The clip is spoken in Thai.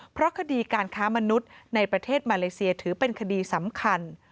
เพราะคดีการค้ามนุษย์ในประเทศมาเลเซียถือเป็นคดีสำคัญ